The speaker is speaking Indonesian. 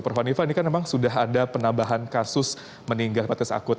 prof hanifah ini kan memang sudah ada penambahan kasus meninggal hepatitis akut